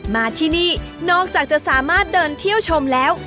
มาที่นี่นอกจากจะสามารถเดินเที่ยวชมแล้ว